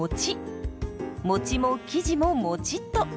もちも生地ももちっと。